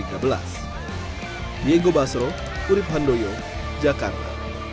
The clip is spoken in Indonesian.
diego basro urib handoyo jakarta